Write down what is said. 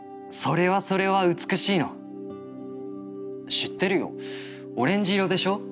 「知ってるよオレンジ色でしょう。